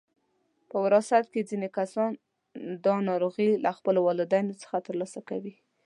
په وراثت کې ځینې کسان دا ناروغي له خپلو والدینو څخه ترلاسه کوي.